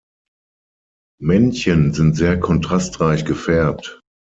Männchen sind sehr kontrastreich gefärbt.